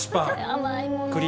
甘いもの。